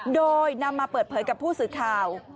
โดยนำมาเปิดเผยกับผู้สื่อข่าว